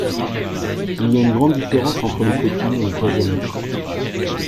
Il y a une grande différence entre les copines et les vraies amies.